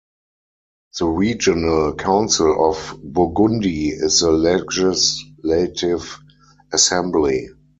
The regional council of Burgundy is the legislative assembly.